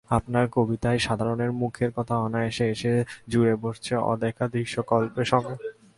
আপনার কবিতায় সাধারণের মুখের কথা অনায়াসে এসে জুড়ে বসছে অদেখা দৃশ্যকল্পের সঙ্গে।